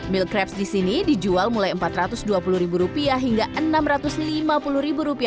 meal crabs di sini dijual mulai rp empat ratus dua puluh hingga rp enam ratus lima puluh